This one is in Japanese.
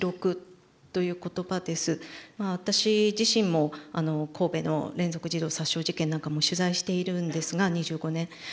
まあ私自身も神戸の連続児童殺傷事件なんかも取材しているんですが２５年。